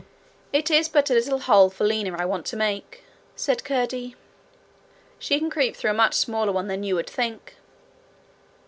'It is but a little hole for Lina I want to make,' said Curdie. 'She can creep through a much smaller one than you would think.'